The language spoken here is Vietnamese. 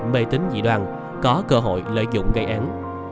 mê tính dị đoan có cơ hội lợi dụng gây án